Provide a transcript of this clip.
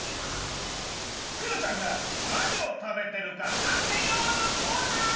クヨちゃんがなにを食べてるかあてようのコーナー！